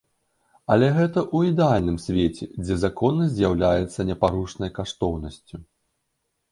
Але гэта ў ідэальным свеце, дзе законнасць з'яўляецца непарушнай каштоўнасцю.